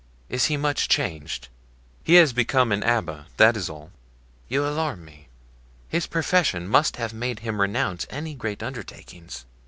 Is he much changed?" "He has become an abbé, that is all." "You alarm me; his profession must have made him renounce any great undertakings."